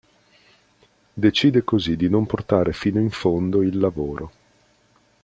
Decide così di non portare fino in fondo il lavoro.